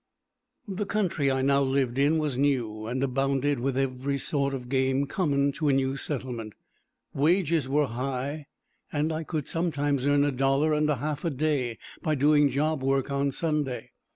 The country I now lived in was new, and abounded with every sort of game common to a new settlement. Wages were high, and I could sometimes earn a dollar and a half a day by doing job work on Sunday.